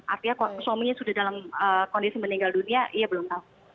artinya suaminya sudah dalam kondisi meninggal dunia ia belum tahu